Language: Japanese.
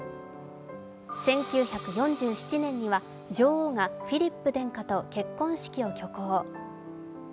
１９４７年には、女王がフィリップ殿下と結婚式を挙行。